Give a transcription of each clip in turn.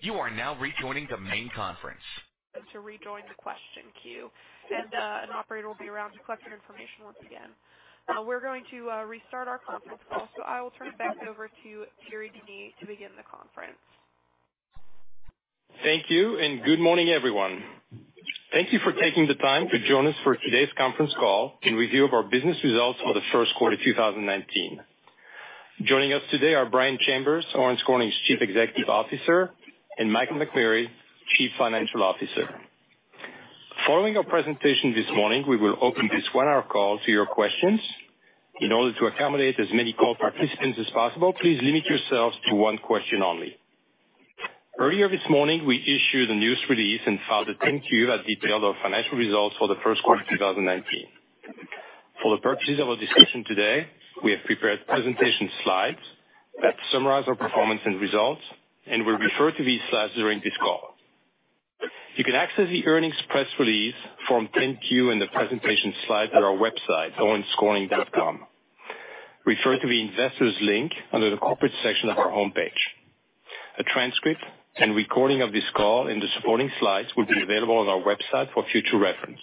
You are now rejoining the main conference. To rejoin the question queue, and an operator will be around to collect your information once again. We're going to restart our conference call, so I will turn it back over to Thierry Denis to begin the conference. Thank you, and good morning, everyone. Thank you for taking the time to join us for today's conference call and review of our business results for the first quarter of 2019. Joining us today are Brian Chambers, Owens Corning's Chief Executive Officer, and Michael McMurray, Chief Financial Officer. Following our presentation this morning, we will open this one-hour call to your questions. In order to accommodate as many call participants as possible, please limit yourselves to one question only. Earlier this morning, we issued a news release and filed a 10-Q that detailed our financial results for the first quarter of 2019. For the purposes of our discussion today, we have prepared presentation slides that summarize our performance and results, and we'll refer to these slides during this call. You can access the earnings press release, Form 10-Q, and the presentation slides at our website, owenscorning.com. Refer to the investors' link under the corporate section of our homepage. A transcript and recording of this call and the supporting slides will be available on our website for future reference.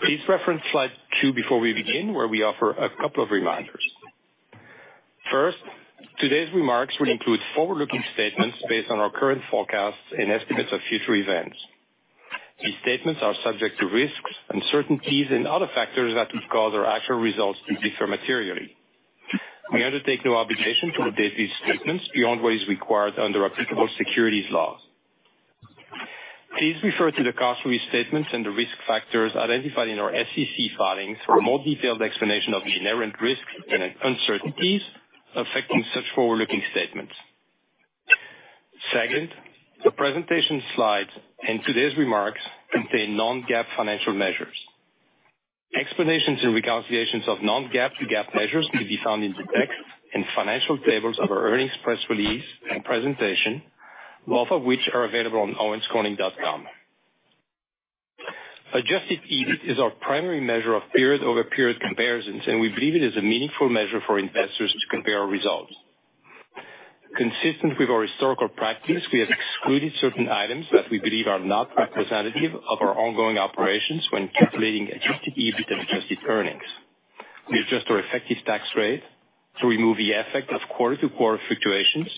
Please reference slide two before we begin, where we offer a couple of reminders. First, today's remarks will include forward-looking statements based on our current forecasts and estimates of future events. These statements are subject to risks, uncertainties, and other factors that could cause our actual results to differ materially. We undertake no obligation to update these statements beyond what is required under applicable securities laws. Please refer to the cautionary statements and the risk factors identified in our SEC filings for a more detailed explanation of the inherent risks and uncertainties affecting such forward-looking statements. Second, the presentation slides and today's remarks contain non-GAAP financial measures. Explanations and reconciliations of non-GAAP to GAAP measures can be found in the text and financial tables of our earnings press release and presentation, both of which are available on owenscorning.com. Adjusted EBIT is our primary measure of period-over-period comparisons, and we believe it is a meaningful measure for investors to compare results. Consistent with our historical practice, we have excluded certain items that we believe are not representative of our ongoing operations when calculating adjusted EBIT and adjusted earnings. We adjust our effective tax rate to remove the effect of quarter-to-quarter fluctuations,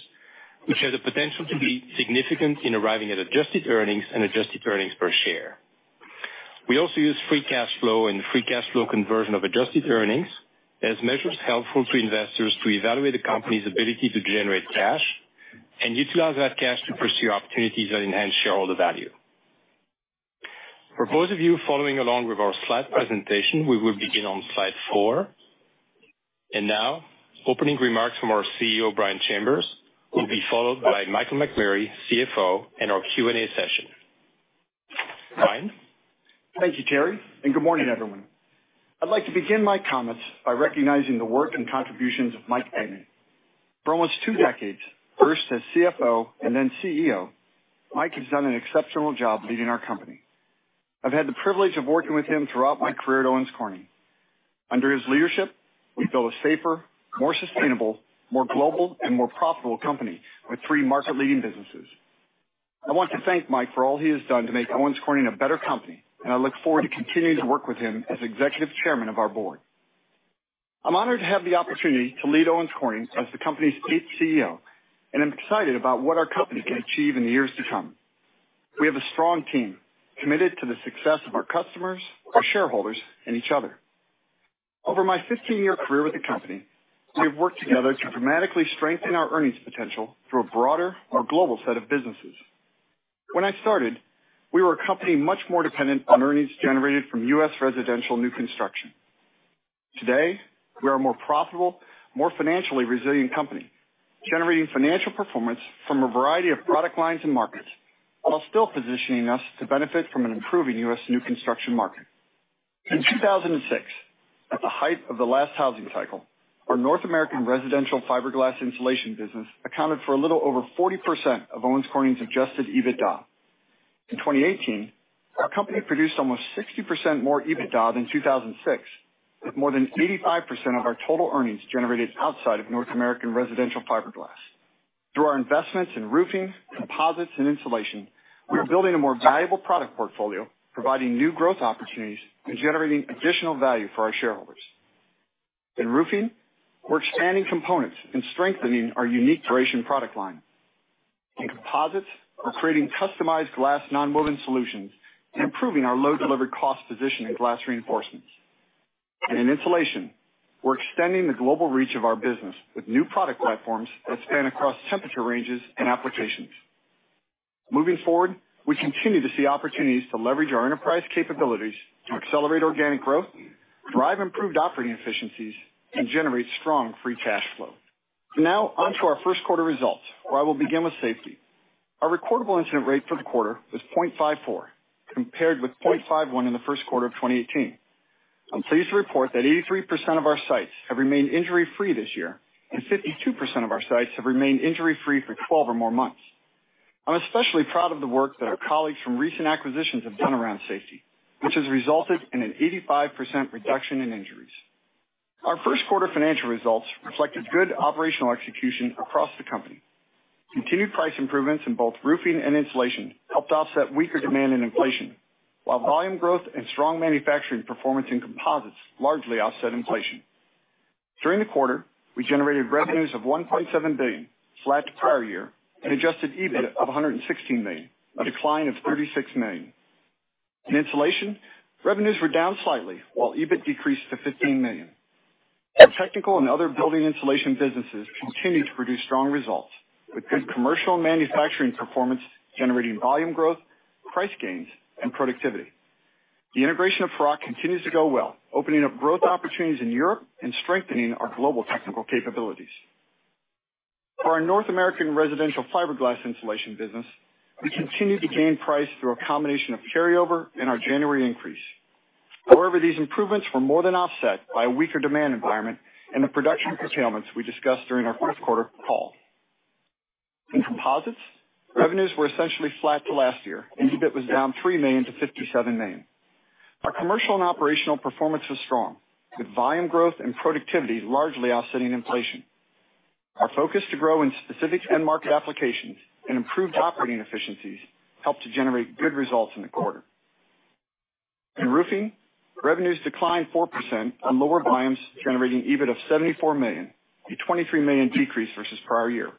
which has the potential to be significant in arriving at adjusted earnings and adjusted earnings per share. We also use free cash flow and free cash flow conversion of adjusted earnings as measures helpful to investors to evaluate a company's ability to generate cash and utilize that cash to pursue opportunities that enhance shareholder value. For those of you following along with our slide presentation, we will begin on slide four. And now, opening remarks from our CEO, Brian Chambers, will be followed by Michael McMurray, CFO, and our Q&A session. Brian. Thank you, Thierry, and good morning, everyone. I'd like to begin my comments by recognizing the work and contributions of Mike Thaman. For almost two decades, first as CFO and then CEO, Mike has done an exceptional job leading our company. I've had the privilege of working with him throughout my career at Owens Corning. Under his leadership, we built a safer, more sustainable, more global, and more profitable company with three market-leading businesses. I want to thank Mike for all he has done to make Owens Corning a better company, and I look forward to continuing to work with him as Executive Chairman of our board. I'm honored to have the opportunity to lead Owens Corning as the company's eighth CEO, and I'm excited about what our company can achieve in the years to come. We have a strong team committed to the success of our customers, our shareholders, and each other. Over my 15-year career with the company, we have worked together to dramatically strengthen our earnings potential through a broader, more global set of businesses. When I started, we were a company much more dependent on earnings generated from U.S. residential new construction. Today, we are a more profitable, more financially resilient company, generating financial performance from a variety of product lines and markets, while still positioning us to benefit from an improving U.S. new construction market. In 2006, at the height of the last housing cycle, our North American residential fiberglass insulation business accounted for a little over 40% of Owens Corning's adjusted EBITDA. In 2018, our company produced almost 60% more EBITDA than 2006, with more than 85% of our total earnings generated outside of North American residential fiberglass. Through our investments in roofing, composites, and insulation, we are building a more valuable product portfolio, providing new growth opportunities, and generating additional value for our shareholders. In roofing, we're expanding components and strengthening our unique Croatian product line. In composites, we're creating customized glass non-woven solutions and improving our low-delivered cost position in glass reinforcements, and in insulation, we're extending the global reach of our business with new product platforms that span across temperature ranges and applications. Moving forward, we continue to see opportunities to leverage our enterprise capabilities to accelerate organic growth, drive improved operating efficiencies, and generate strong free cash flow. Now, on to our first quarter results, where I will begin with safety. Our recordable incident rate for the quarter was 0.54, compared with 0.51 in the first quarter of 2018. I'm pleased to report that 83% of our sites have remained injury-free this year, and 52% of our sites have remained injury-free for 12 or more months. I'm especially proud of the work that our colleagues from recent acquisitions have done around safety, which has resulted in an 85% reduction in injuries. Our first quarter financial results reflected good operational execution across the company. Continued price improvements in both roofing and insulation helped offset weaker demand and inflation, while volume growth and strong manufacturing performance in composites largely offset inflation. During the quarter, we generated revenues of $1.7 billion, flat to prior year, and adjusted EBIT of $116 million, a decline of $36 million. In insulation, revenues were down slightly, while EBIT decreased to $15 million. Our technical and other building insulation businesses continue to produce strong results, with good commercial and manufacturing performance generating volume growth, price gains, and productivity. The integration of Paroc continues to go well, opening up growth opportunities in Europe and strengthening our global technical capabilities. For our North American residential fiberglass insulation business, we continue to gain price through a combination of carryover and our January increase. However, these improvements were more than offset by a weaker demand environment and the production curtailments we discussed during our first quarter call. In composites, revenues were essentially flat to last year, and EBIT was down $3 million to $57 million. Our commercial and operational performance was strong, with volume growth and productivity largely offsetting inflation. Our focus to grow in specific end-market applications and improved operating efficiencies helped to generate good results in the quarter. In roofing, revenues declined 4% and lower volumes, generating EBIT of $74 million, a $23 million decrease versus prior year.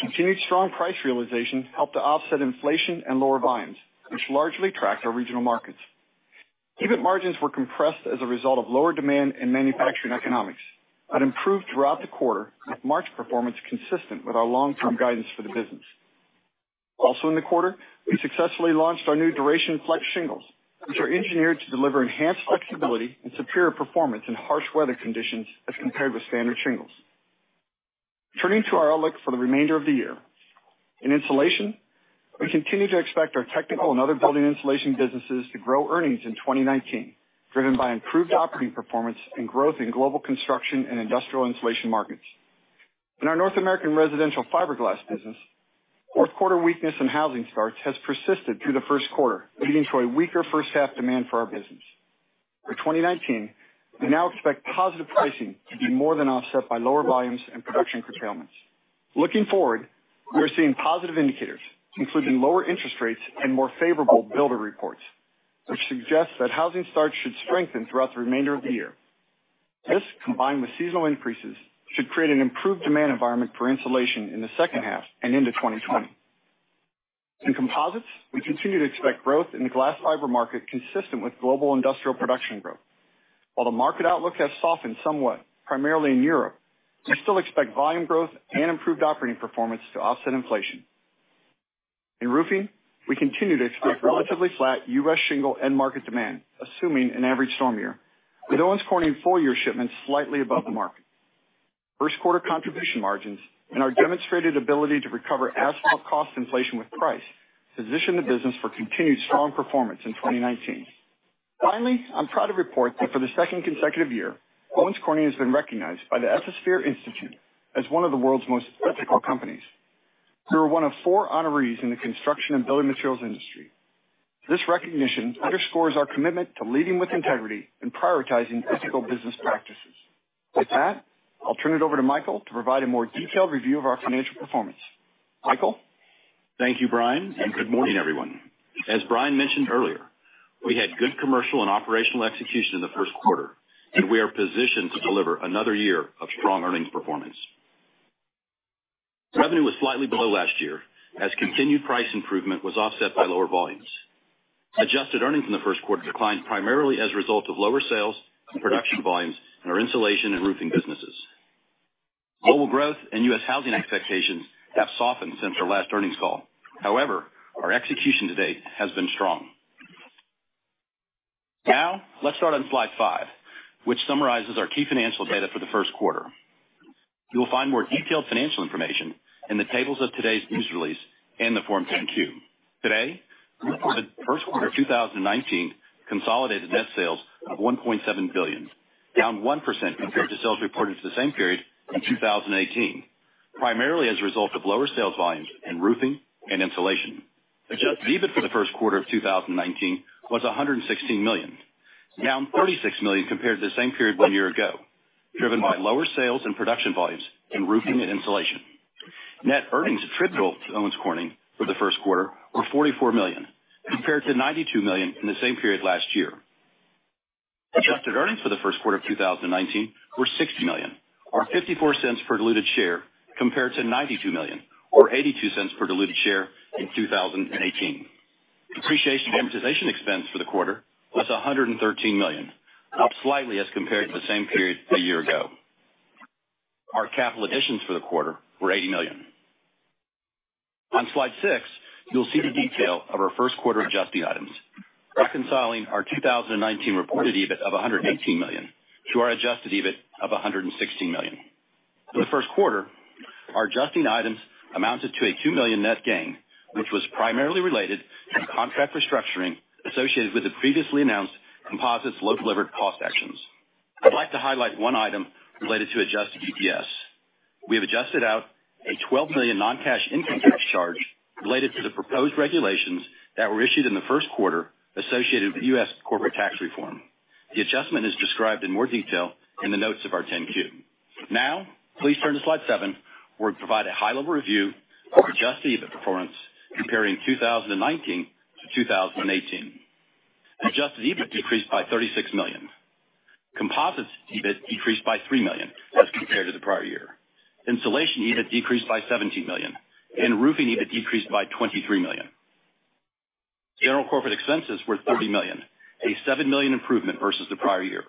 Continued strong price realization helped to offset inflation and lower volumes, which largely tracked our regional markets. EBIT margins were compressed as a result of lower demand and manufacturing economics, but improved throughout the quarter, with March performance consistent with our long-term guidance for the business. Also, in the quarter, we successfully launched our new Duration FLEX shingles, which are engineered to deliver enhanced flexibility and superior performance in harsh weather conditions as compared with standard shingles. Turning to our outlook for the remainder of the year, in insulation, we continue to expect our technical and other building insulation businesses to grow earnings in 2019, driven by improved operating performance and growth in global construction and industrial insulation markets. In our North American residential fiberglass business, fourth-quarter weakness in housing starts has persisted through the first quarter, leading to a weaker first-half demand for our business. For 2019, we now expect positive pricing to be more than offset by lower volumes and production curtailments. Looking forward, we are seeing positive indicators, including lower interest rates and more favorable builder reports, which suggests that housing starts should strengthen throughout the remainder of the year. This, combined with seasonal increases, should create an improved demand environment for insulation in the second half and into 2020. In composites, we continue to expect growth in the glass fiber market consistent with global industrial production growth. While the market outlook has softened somewhat, primarily in Europe, we still expect volume growth and improved operating performance to offset inflation. In roofing, we continue to expect relatively flat U.S. shingle end-market demand, assuming an average storm year, with Owens Corning's full-year shipments slightly above the market. First-quarter contribution margins and our demonstrated ability to recover as cost inflation with price position the business for continued strong performance in 2019. Finally, I'm proud to report that for the second consecutive year, Owens Corning has been recognized by the Ethisphere Institute as one of the world's most ethical companies. We were one of four honorees in the construction and building materials industry. This recognition underscores our commitment to leading with integrity and prioritizing ethical business practices. With that, I'll turn it over to Michael to provide a more detailed review of our financial performance. Michael. Thank you, Brian, and good morning, everyone. As Brian mentioned earlier, we had good commercial and operational execution in the first quarter, and we are positioned to deliver another year of strong earnings performance. Revenue was slightly below last year as continued price improvement was offset by lower volumes. Adjusted earnings in the first quarter declined primarily as a result of lower sales and production volumes in our insulation and roofing businesses. Global growth and U.S. housing expectations have softened since our last earnings call. However, our execution today has been strong. Now, let's start on slide five, which summarizes our key financial data for the first quarter. You will find more detailed financial information in the tables of today's news release and the Form 10-Q. Today, the first quarter of 2019 consolidated net sales of $1.7 billion, down 1% compared to sales reported for the same period in 2018, primarily as a result of lower sales volumes in roofing and insulation. Adjusted EBIT for the first quarter of 2019 was $116 million, down $36 million compared to the same period one year ago, driven by lower sales and production volumes in roofing and insulation. Net earnings attributable to Owens Corning for the first quarter were $44 million, compared to $92 million in the same period last year. Adjusted earnings for the first quarter of 2019 were $60 million, or $0.54 per diluted share, compared to $92 million, or $0.82 per diluted share in 2018. Depreciation amortization expense for the quarter was $113 million, up slightly as compared to the same period a year ago. Our capital additions for the quarter were $80 million. On slide six, you'll see the detail of our first quarter adjusting items, reconciling our 2019 reported EBIT of $118 million to our adjusted EBIT of $116 million. For the first quarter, our adjusting items amounted to a $2 million net gain, which was primarily related to contract restructuring associated with the previously announced composites low-delivered cost actions. I'd like to highlight one item related to adjusted EPS. We have adjusted out a $12 million non-cash income tax charge related to the proposed regulations that were issued in the first quarter associated with U.S. corporate tax reform. The adjustment is described in more detail in the notes of our 10-Q. Now, please turn to slide seven, where we provide a high-level review of adjusted EBIT performance comparing 2019 to 2018. Adjusted EBIT decreased by $36 million. Composites EBIT decreased by $3 million as compared to the prior year. Insulation EBIT decreased by $17 million, and roofing EBIT decreased by $23 million. General corporate expenses were $30 million, a $7 million improvement versus the prior year.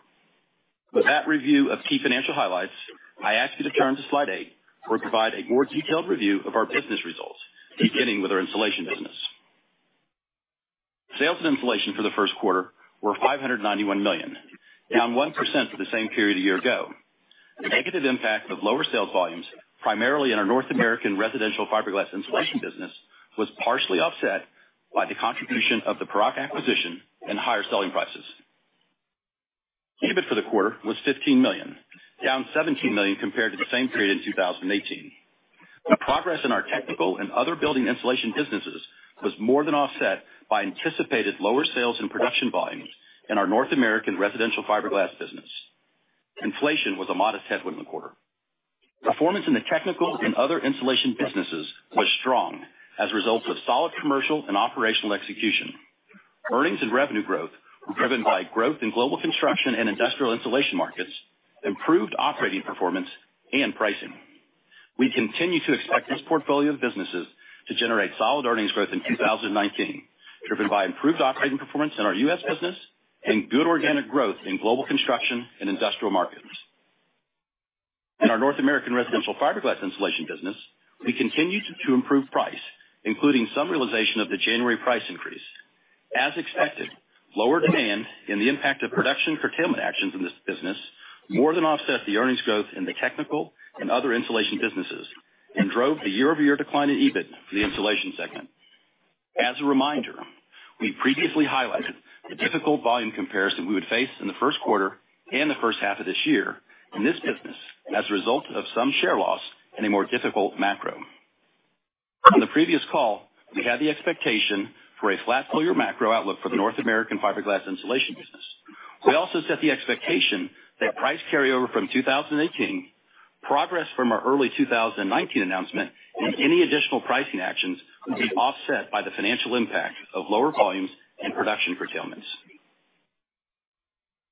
With that review of key financial highlights, I ask you to turn to slide eight, where we provide a more detailed review of our business results, beginning with our insulation business. Sales and insulation for the first quarter were $591 million, down 1% for the same period a year ago. The negative impact of lower sales volumes, primarily in our North American residential fiberglass insulation business, was partially offset by the contribution of the Paroc acquisition and higher selling prices. EBIT for the quarter was $15 million, down $17 million compared to the same period in 2018. The progress in our technical and other building insulation businesses was more than offset by anticipated lower sales and production volumes in our North American residential fiberglass business. Inflation was a modest headwind in the quarter. Performance in the technical and other insulation businesses was strong as a result of solid commercial and operational execution. Earnings and revenue growth were driven by growth in global construction and industrial insulation markets, improved operating performance, and pricing. We continue to expect this portfolio of businesses to generate solid earnings growth in 2019, driven by improved operating performance in our U.S. business and good organic growth in global construction and industrial markets. In our North American residential fiberglass insulation business, we continue to improve price, including some realization of the January price increase. As expected, lower demand and the impact of production curtailment actions in this business more than offset the earnings growth in the technical and other insulation businesses and drove the year-over-year decline in EBIT for the insulation segment. As a reminder, we previously highlighted the difficult volume comparison we would face in the first quarter and the first half of this year in this business as a result of some share loss and a more difficult macro. On the previous call, we had the expectation for a flat full-year macro outlook for the North American fiberglass insulation business. We also set the expectation that price carryover from 2018, progress from our early 2019 announcement, and any additional pricing actions would be offset by the financial impact of lower volumes and production curtailments.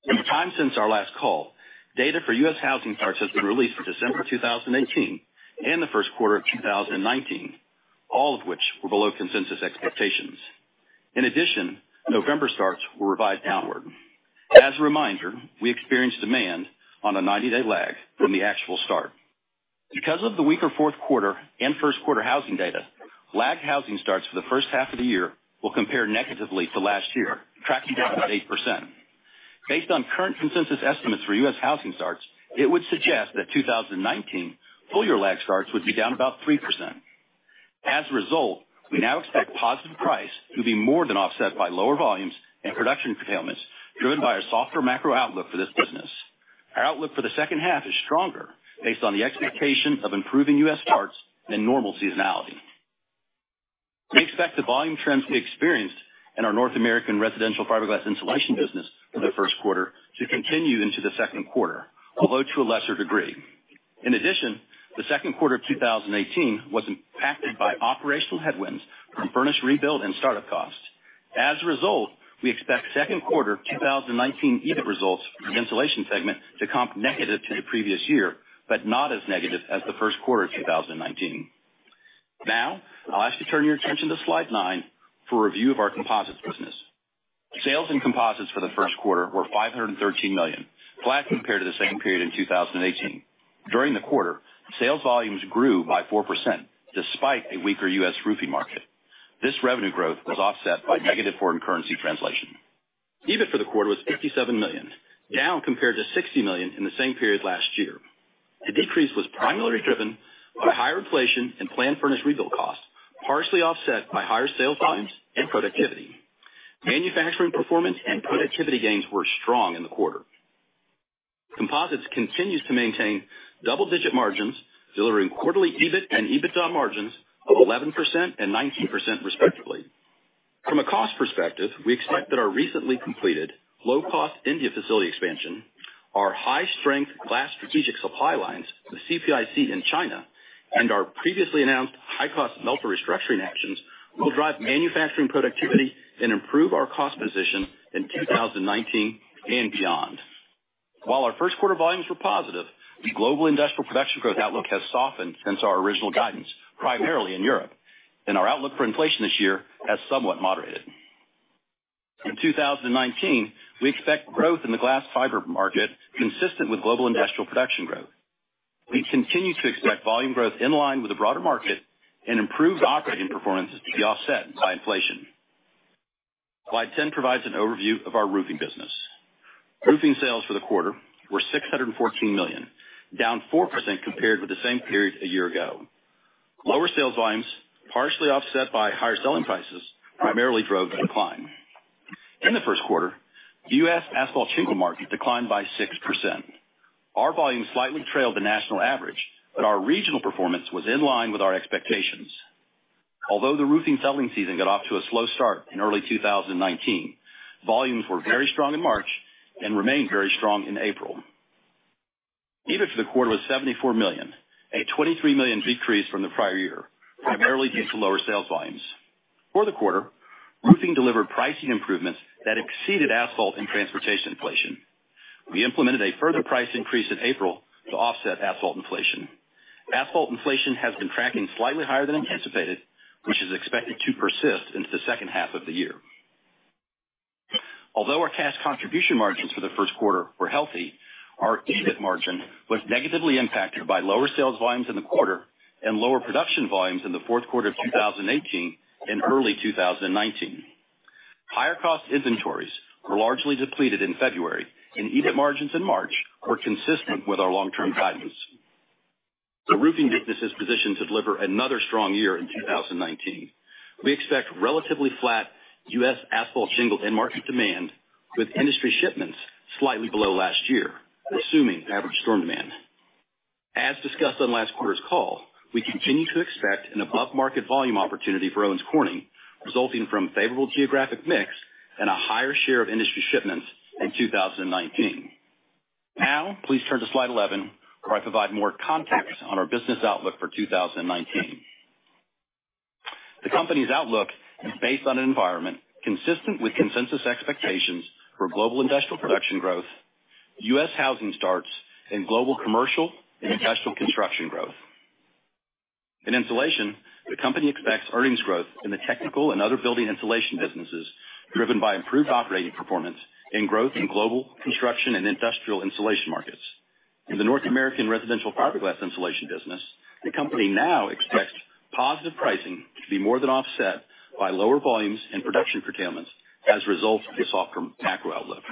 In the time since our last call, data for U.S. Housing starts has been released for December 2018 and the first quarter of 2019, all of which were below consensus expectations. In addition, November starts were revised downward. As a reminder, we experienced demand on a 90-day lag from the actual start. Because of the weaker fourth quarter and first quarter housing data, lagged housing starts for the first half of the year will compare negatively to last year, tracking down about 8%. Based on current consensus estimates for U.S. housing starts, it would suggest that 2019 full-year lag starts would be down about 3%. As a result, we now expect positive price to be more than offset by lower volumes and production curtailments driven by a softer macro outlook for this business. Our outlook for the second half is stronger based on the expectation of improving U.S. starts and normal seasonality. We expect the volume trends we experienced in our North American residential fiberglass insulation business for the first quarter to continue into the second quarter, although to a lesser degree. In addition, the second quarter of 2018 was impacted by operational headwinds from furnace rebuild and startup costs. As a result, we expect second quarter 2019 EBIT results for the insulation segment to comp negative to the previous year, but not as negative as the first quarter of 2019. Now, I'll ask you to turn your attention to slide nine for a review of our composites business. Sales and composites for the first quarter were $513 million, flat compared to the same period in 2018. During the quarter, sales volumes grew by 4% despite a weaker U.S. roofing market. This revenue growth was offset by negative foreign currency translation. EBIT for the quarter was $57 million, down compared to $60 million in the same period last year. The decrease was primarily driven by higher inflation and planned furnace rebuild costs, partially offset by higher sales volumes and productivity. Manufacturing performance and productivity gains were strong in the quarter. Composites continues to maintain double-digit margins, delivering quarterly EBIT and EBITDA margins of 11% and 19% respectively. From a cost perspective, we expect that our recently completed low-cost India facility expansion, our high-strength glass strategic supply lines with CPIC in China, and our previously announced high-cost melter restructuring actions will drive manufacturing productivity and improve our cost position in 2019 and beyond. While our first quarter volumes were positive, the global industrial production growth outlook has softened since our original guidance, primarily in Europe, and our outlook for inflation this year has somewhat moderated. In 2019, we expect growth in the glass fiber market consistent with global industrial production growth. We continue to expect volume growth in line with the broader market and improved operating performance to be offset by inflation. Slide 10 provides an overview of our roofing business. Roofing sales for the quarter were $614 million, down 4% compared with the same period a year ago. Lower sales volumes, partially offset by higher selling prices, primarily drove the decline. In the first quarter, U.S. asphalt shingle market declined by 6%. Our volume slightly trailed the national average, but our regional performance was in line with our expectations. Although the roofing selling season got off to a slow start in early 2019, volumes were very strong in March and remained very strong in April. EBIT for the quarter was $74 million, a $23 million decrease from the prior year, primarily due to lower sales volumes. For the quarter, roofing delivered pricing improvements that exceeded asphalt and transportation inflation. We implemented a further price increase in April to offset asphalt inflation. Asphalt inflation has been tracking slightly higher than anticipated, which is expected to persist into the second half of the year. Although our cash contribution margins for the first quarter were healthy, our EBIT margin was negatively impacted by lower sales volumes in the quarter and lower production volumes in the fourth quarter of 2018 and early 2019. Higher cost inventories were largely depleted in February, and EBIT margins in March were consistent with our long-term guidance. The roofing business is positioned to deliver another strong year in 2019. We expect relatively flat U.S. Asphalt shingle end-market demand, with industry shipments slightly below last year, assuming average storm demand. As discussed on last quarter's call, we continue to expect an above-market volume opportunity for Owens Corning, resulting from a favorable geographic mix and a higher share of industry shipments in 2019. Now, please turn to slide 11, where I provide more context on our business outlook for 2019. The company's outlook is based on an environment consistent with consensus expectations for global industrial production growth, U.S. housing starts, and global commercial and industrial construction growth. In insulation, the company expects earnings growth in the technical and other building insulation businesses, driven by improved operating performance and growth in global construction and industrial insulation markets. In the North American residential fiberglass insulation business, the company now expects positive pricing to be more than offset by lower volumes and production curtailments as a result of the softer macro outlook.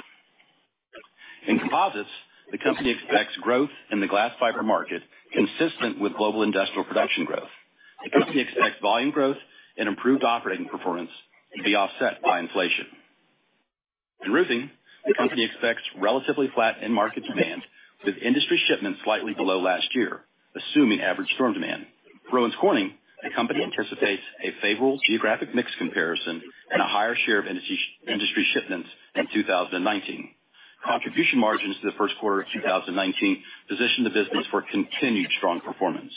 In composites, the company expects growth in the glass fiber market consistent with global industrial production growth. The company expects volume growth and improved operating performance to be offset by inflation. In roofing, the company expects relatively flat end-market demand, with industry shipments slightly below last year, assuming average storm demand. For Owens Corning, the company anticipates a favorable geographic mix comparison and a higher share of industry shipments in 2019. Contribution margins for the first quarter of 2019 position the business for continued strong performance.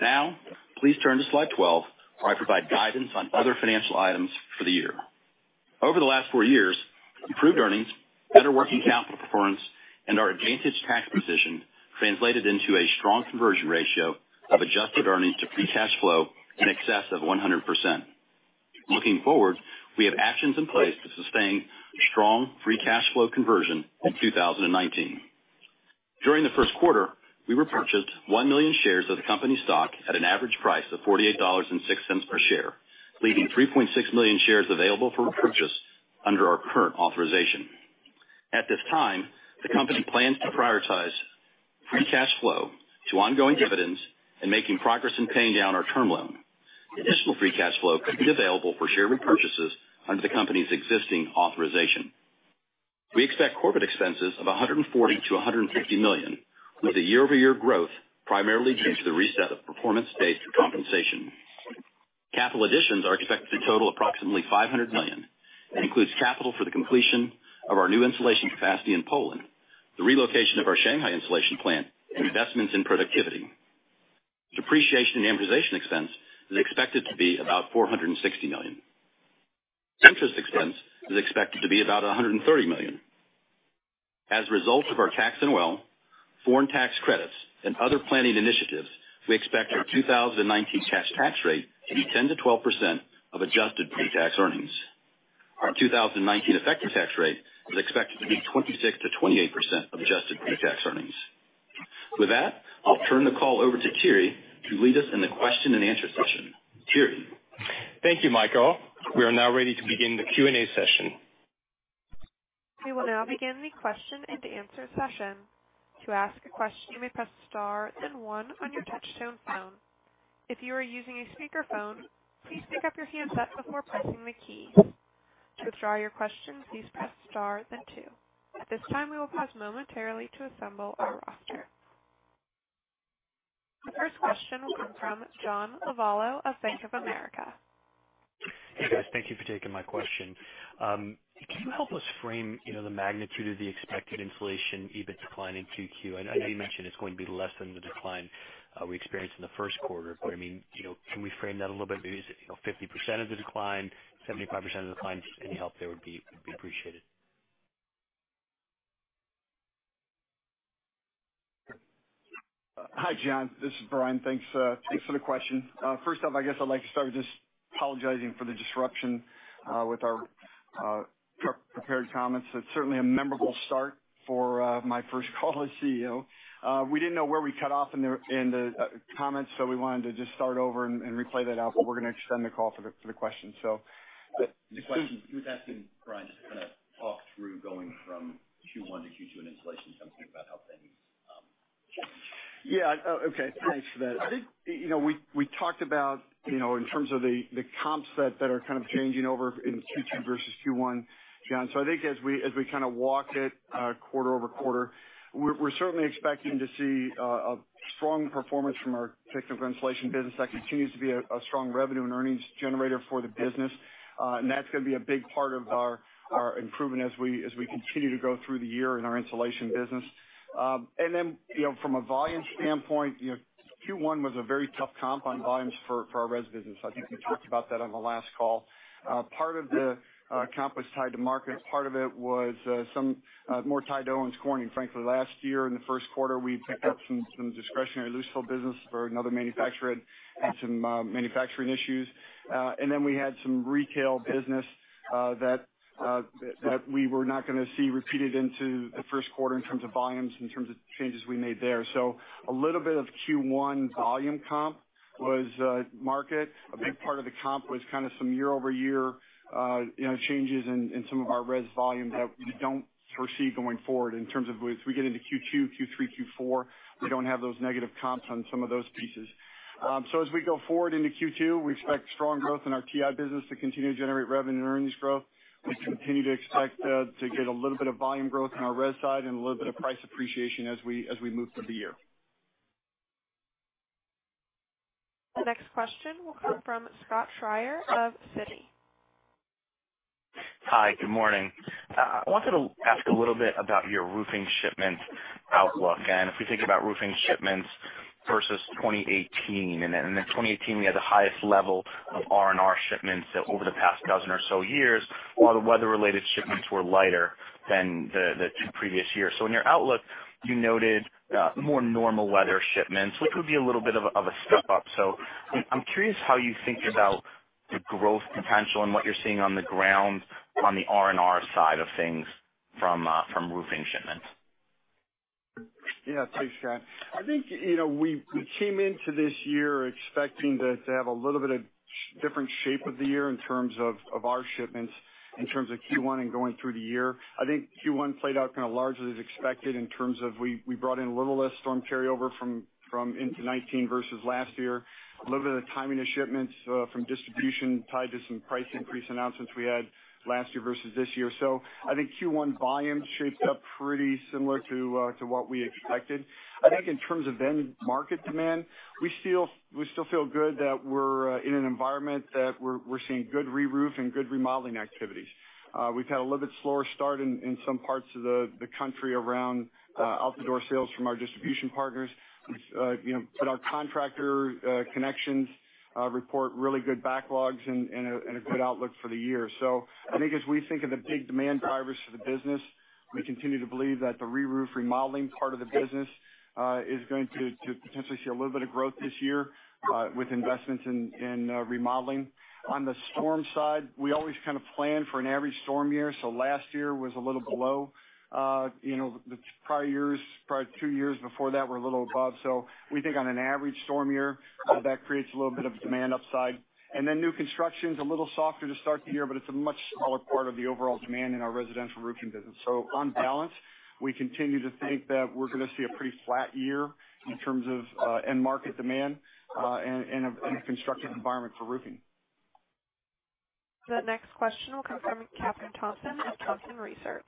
Now, please turn to slide 12, where I provide guidance on other financial items for the year. Over the last four years, improved earnings, better working capital performance, and our advantageous tax position translated into a strong conversion ratio of adjusted earnings to free cash flow in excess of 100%. Looking forward, we have actions in place to sustain strong free cash flow conversion in 2019. During the first quarter, we repurchased one million shares of the company stock at an average price of $48.06 per share, leaving 3.6 million shares available for repurchase under our current authorization. At this time, the company plans to prioritize free cash flow to ongoing dividends and making progress in paying down our term loan. Additional free cash flow could be available for share repurchases under the company's existing authorization. We expect corporate expenses of $140-$150 million, with the year-over-year growth primarily due to the reset of performance-based compensation. Capital additions are expected to total approximately $500 million. It includes capital for the completion of our new insulation capacity in Poland, the relocation of our Shanghai insulation plant, and investments in productivity. Depreciation and amortization expense is expected to be about $460 million. Interest expense is expected to be about $130 million. As a result of our tax, as well as foreign tax credits, and other planning initiatives, we expect our 2019 cash tax rate to be 10%-12% of adjusted pre-tax earnings. Our 2019 effective tax rate is expected to be 26%-28% of adjusted pre-tax earnings. With that, I'll turn the call over to Thierry to lead us in the question-and-answer session. Thierry. Thank you, Michael. We are now ready to begin the Q&A session. We will now begin the question-and-answer session. To ask a question, you may press star, then one, on your touch-tone phone. If you are using a speakerphone, please pick up your handset before pressing the keys. To withdraw your question, please press star, then two. At this time, we will pause momentarily to assemble our roster. The first question will come from John Lovallo of Bank of America. Hey, guys. Thank you for taking my question. Can you help us frame the magnitude of the expected input inflation EBIT decline in Q2? I know you mentioned it's going to be less than the decline we experienced in the first quarter, but I mean, can we frame that a little bit? Is it 50% of the decline, 75% of the decline? Any help there would be appreciated. Hi, John. This is Brian. Thanks for the question. First off, I guess I'd like to start with just apologizing for the disruption with our prepared comments. It's certainly a memorable start for my first call as CEO. We didn't know where we cut off in the comments, so we wanted to just start over and replay that out, but we're going to extend the call for the questions. So the question was asking Brian to kind of talk through going from Q1 to Q2 in insulation and something about how things changed. Yeah. Okay. Thanks for that. I think we talked about, in terms of the comps that are kind of changing over in Q2 versus Q1, John. So I think as we kind of walk it quarter over quarter, we're certainly expecting to see a strong performance from our technical insulation business that continues to be a strong revenue and earnings generator for the business. That's going to be a big part of our improvement as we continue to go through the year in our insulation business. Then from a volume standpoint, Q1 was a very tough comp on volumes for our res business. I think we talked about that on the last call. Part of the comp was tied to market. Part of it was more tied to Owens Corning. Frankly, last year in the first quarter, we picked up some discretionary loose fill business for another manufacturer and some manufacturing issues. Then we had some retail business that we were not going to see repeated into the first quarter in terms of volumes, in terms of changes we made there. A little bit of Q1 volume comp was market. A big part of the comp was kind of some year-over-year changes in some of our res volume that we don't foresee going forward in terms of if we get into Q2, Q3, Q4, we don't have those negative comps on some of those pieces. So as we go forward into Q2, we expect strong growth in our TI business to continue to generate revenue and earnings growth. We continue to expect to get a little bit of volume growth on our res side and a little bit of price appreciation as we move through the year. The next question will come from Scott Schrier of Citi. Hi. Good morning. I wanted to ask a little bit about your roofing shipment outlook. And if we think about roofing shipments versus 2018, and in 2018, we had the highest level of R&R shipments over the past dozen or so years, while the weather-related shipments were lighter than the two previous years. So in your outlook, you noted more normal weather shipments, which would be a little bit of a step up. So I'm curious how you think about the growth potential and what you're seeing on the ground on the R&R side of things from roofing shipments. Yeah. Thanks, John. I think we came into this year expecting to have a little bit of different shape of the year in terms of our shipments, in terms of Q1 and going through the year. I think Q1 played out kind of largely as expected in terms of we brought in a little less storm carryover from into 2019 versus last year, a little bit of the timing of shipments from distribution tied to some price increase announcements we had last year versus this year. So I think Q1 volumes shaped up pretty similar to what we expected. I think in terms of end-market demand, we still feel good that we're in an environment that we're seeing good reroof and good remodeling activities. We've had a little bit slower start in some parts of the country around out-the-door sales from our distribution partners. But our contractor connections report really good backlogs and a good outlook for the year. So I think as we think of the big demand drivers for the business, we continue to believe that the reroof remodeling part of the business is going to potentially see a little bit of growth this year with investments in remodeling. On the storm side, we always kind of plan for an average storm year. So last year was a little below. The prior years, prior two years before that, were a little above. So we think on an average storm year, that creates a little bit of demand upside. And then new construction's a little softer to start the year, but it's a much smaller part of the overall demand in our residential roofing business. So on balance, we continue to think that we're going to see a pretty flat year in terms of end-market demand and a constructive environment for roofing. The next question will come from Kathryn Thompson of Thompson Research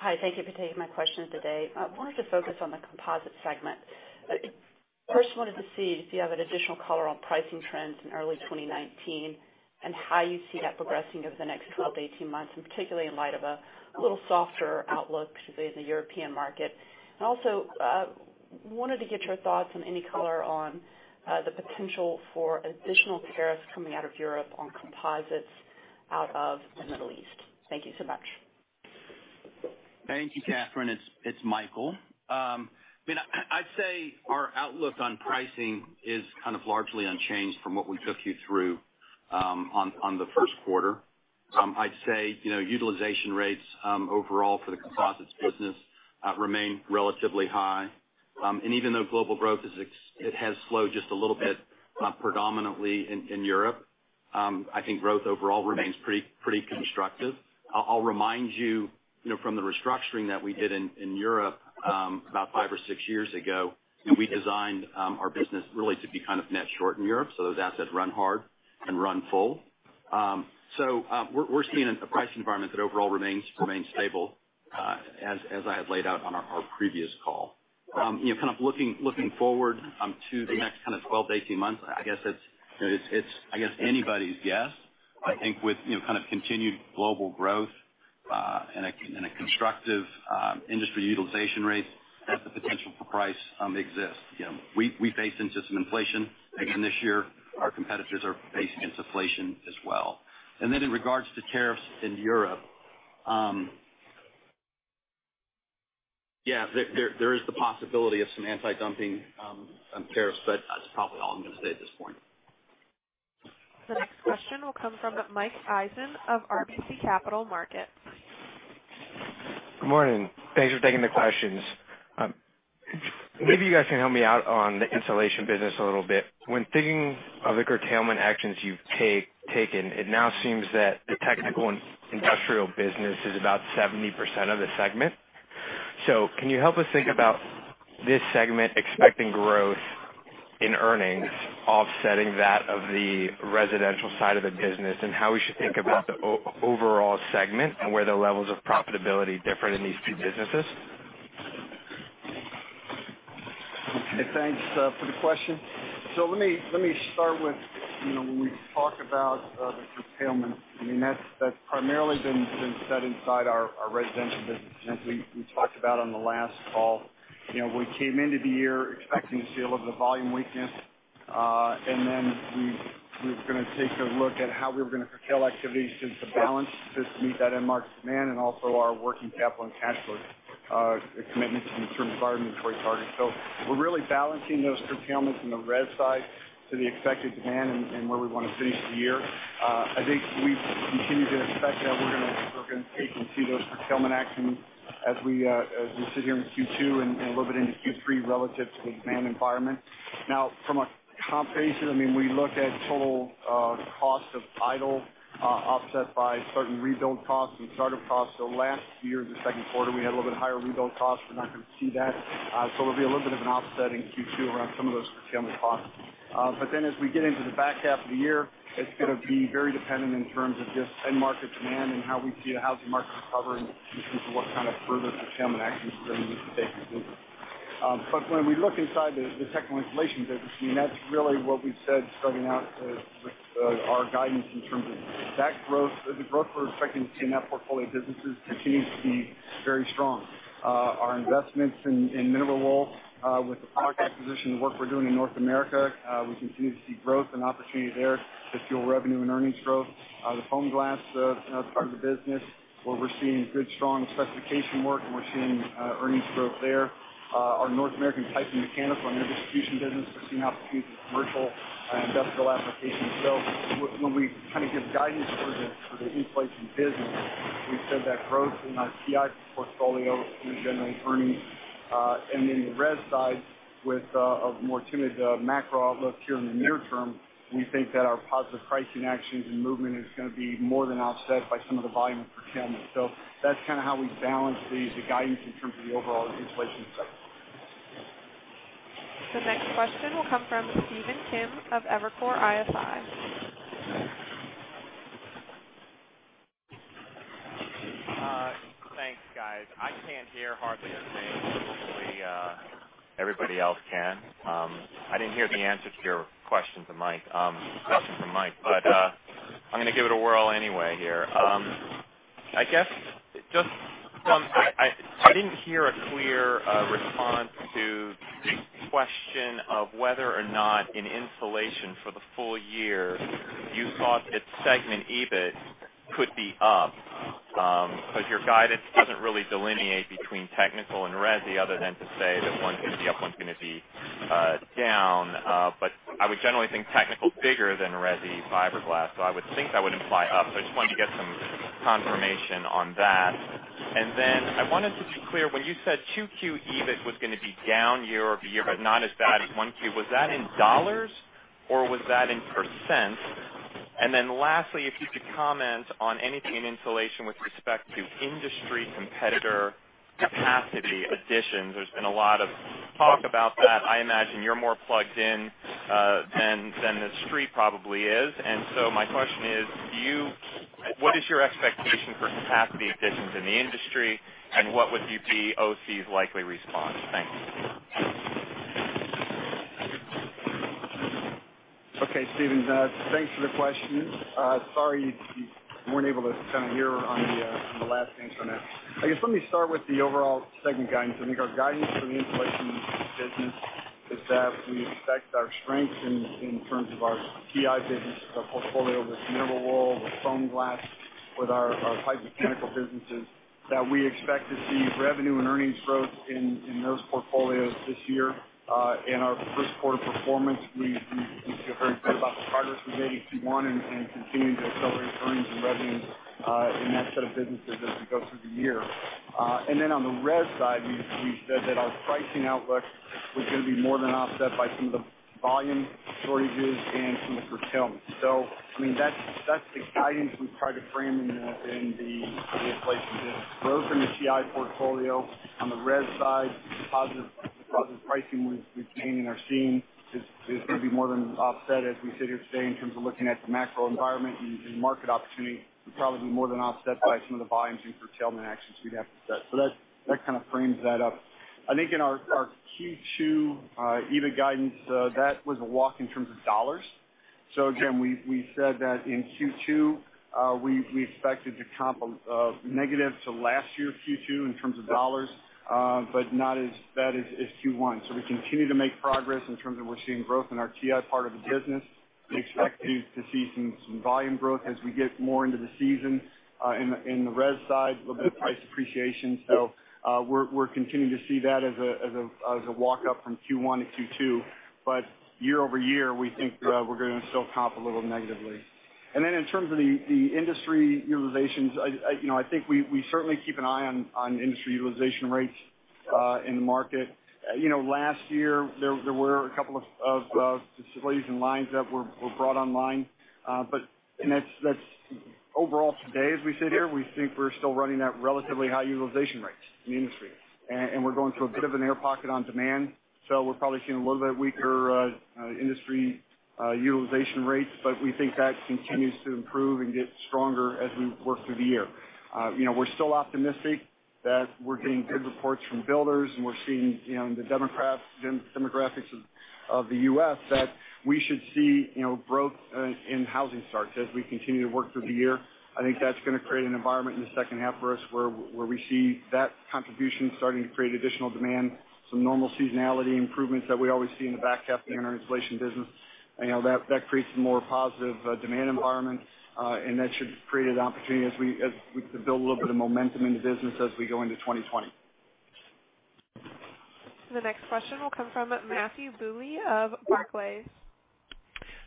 Group. Hi. Thank you for taking my question today. I wanted to focus on the composites segment. First, wanted to see if you have an additional color on pricing trends in early 2019 and how you see that progressing over the next 12-18 months, and particularly in light of a little softer outlook, particularly in the European market, and also wanted to get your thoughts on any color on the potential for additional tariffs coming out of Europe on composites out of the Middle East. Thank you so much. Thank you, Kathryn. It's Michael. I mean, I'd say our outlook on pricing is kind of largely unchanged from what we took you through on the first quarter. I'd say utilization rates overall for the composites business remain relatively high. Even though global growth has slowed just a little bit predominantly in Europe, I think growth overall remains pretty constructive. I'll remind you from the restructuring that we did in Europe about five or six years ago, we designed our business really to be kind of net short in Europe so those assets run hard and run full. So we're seeing a pricing environment that overall remains stable, as I had laid out on our previous call. Kind of looking forward to the next kind of 12-18 months, I guess it's anybody's guess. I think with kind of continued global growth and a constructive industry utilization rate, that's the potential for price exists. We faced into some inflation, and this year, our competitors are facing inflation as well. And then in regards to tariffs in Europe, yeah, there is the possibility of some anti-dumping tariffs, but that's probably all I'm going to say at this point. The next question will come from Mike Eisen of RBC Capital Markets. Good morning. Thanks for taking the questions. Maybe you guys can help me out on the insulation business a little bit. When thinking of the curtailment actions you've taken, it now seems that the technical and industrial business is about 70% of the segment. So can you help us think about this segment expecting growth in earnings, offsetting that of the residential side of the business, and how we should think about the overall segment and where the levels of profitability differ in these two businesses? Okay. Thanks for the question. So let me start with when we talk about the curtailment. I mean, that's primarily been set inside our residential business, as we talked about on the last call. We came into the year expecting to see a little bit of volume weakness, and then we were going to take a look at how we were going to curtail activities to balance, to meet that end-market demand, and also our working capital and cash flow commitments in terms of our inventory target. So we're really balancing those curtailments in the res side to the expected demand and where we want to finish the year. I think we continue to expect that we're going to take and see those curtailment actions as we sit here in Q2 and a little bit into Q3 relative to the demand environment. Now, from a comp basis, I mean, we look at total cost of idle offset by certain rebuild costs and startup costs. So last year, in the second quarter, we had a little bit higher rebuild costs. We're not going to see that. So there'll be a little bit of an offset in Q2 around some of those curtailment costs. But then as we get into the back half of the year, it's going to be very dependent in terms of just end-market demand and how we see the housing market recover in terms of what kind of further curtailment actions we're going to need to take and see. But when we look inside the technical insulation business, I mean, that's really what we've said starting out with our guidance in terms of that growth. The growth we're expecting to see in that portfolio of businesses continues to be very strong. Our investments in mineral wool with the product acquisition, the work we're doing in North America, we continue to see growth and opportunity there to fuel revenue and earnings growth. The foam glass part of the business, where we're seeing good, strong specification work, and we're seeing earnings growth there. Our North American piping mechanical and air distribution business, we're seeing opportunities in commercial and industrial applications. So when we kind of give guidance for the insulation business, we've said that growth in our TI portfolio and generally earnings. And then the res side, with a more timid macro outlook here in the near term, we think that our positive pricing actions and movement is going to be more than offset by some of the volume and curtailment. So that's kind of how we balance the guidance in terms of the overall insulation segment. The next question will come from Stephen Kim of Evercore ISI. Thanks, guys. I can't hear hardly a thing, but hopefully everybody else can. I didn't hear the answer to your question from Mike, but I'm going to give it a whirl anyway here. I guess just from I didn't hear a clear response to the question of whether or not in insulation for the full year, you thought that segment EBIT could be up because your guidance doesn't really delineate between technical and res other than to say that one's going to be up, one's going to be down. But I would generally think technical's bigger than res fiberglass, so I would think that would imply up. So I just wanted to get some confirmation on that. And then I wanted to be clear. When you said Q2 EBIT was going to be down year over year, but not as bad as one Q, was that in dollars, or was that in %? And then lastly, if you could comment on anything in insulation with respect to industry competitor capacity additions? There's been a lot of talk about that. I imagine you're more plugged in than the street probably is. And so my question is, what is your expectation for capacity additions in the industry, and what would be OC's likely response? Thanks. Okay. Stephen, thanks for the question. Sorry you weren't able to kind of hear on the last thing from that. I guess let me start with the overall segment guidance. I think our guidance for the insulation business is that we expect our strength in terms of our TI business, our portfolio with mineral wool, with foam glass, with our pipe mechanical businesses, that we expect to see revenue and earnings growth in those portfolios this year. Our first quarter performance, we feel very good about the progress we've made in Q1 and continue to accelerate earnings and revenues in that set of businesses as we go through the year. Then on the res side, we said that our pricing outlook was going to be more than offset by some of the volume shortages and some of the curtailment. So I mean, that's the guidance we've tried to frame in the insulation business. Growth in the TI portfolio. On the res side, positive pricing we've seen and are seeing is going to be more than offset as we sit here today in terms of looking at the macro environment and market opportunity. It would probably be more than offset by some of the volumes and curtailment actions we'd have to set. So that kind of frames that up. I think in our Q2 EBIT guidance, that was a walk in terms of dollars. So again, we said that in Q2, we expected to comp negative to last year's Q2 in terms of dollars, but not as bad as Q1. So we continue to make progress in terms of we're seeing growth in our TI part of the business. We expect to see some volume growth as we get more into the season. In the res side, a little bit of price appreciation. We're continuing to see that as a walk-up from Q1 to Q2. But year over year, we think we're going to still comp a little negatively. And then in terms of the industry utilizations, I think we certainly keep an eye on industry utilization rates in the market. Last year, there were a couple of facilities and lines that were brought online. But overall today, as we sit here, we think we're still running at relatively high utilization rates in the industry. And we're going through a bit of an air pocket on demand, so we're probably seeing a little bit weaker industry utilization rates, but we think that continues to improve and get stronger as we work through the year. We're still optimistic that we're getting good reports from builders, and we're seeing in the demographics of the U.S. that we should see growth in housing starts as we continue to work through the year. I think that's going to create an environment in the second half for us where we see that contribution starting to create additional demand, some normal seasonality improvements that we always see in the back half of the fiber insulation business. That creates a more positive demand environment, and that should create an opportunity to build a little bit of momentum in the business as we go into 2020. The next question will come from Matthew Bouley of Barclays.